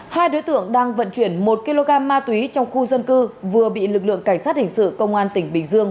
hai đối tượng đang vận chuyển một kg ma túy trong khu dân cư vừa bị lực lượng cảnh sát hình sự công an tỉnh bình dương